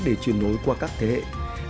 để truyền nối qua các thế hệ